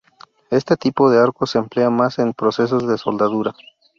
Este tipo de arco se emplea más en procesos de soldadura.